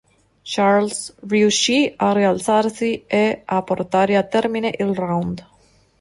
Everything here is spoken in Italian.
Charles riuscì a rialzarsi e a portare a termine il round.